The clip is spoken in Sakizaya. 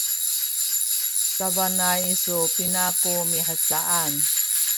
sabana isu pina ku mihcaan?